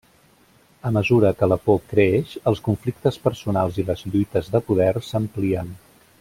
A mesura que la por creix, els conflictes personals i les lluites de poder s'amplien.